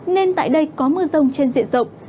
nên tại đây có mưa rông trên diện rộng